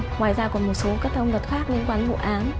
ngoài ra còn một số các thông vật khác liên quan hữu án